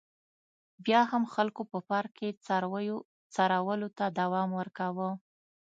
بیا هم خلکو په پارک کې څارویو څرولو ته دوام ورکاوه.